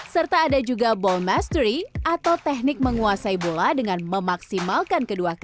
serta ada juga ball mastery atau teknik menguasai bola dengan memaksimalkan kedua kaki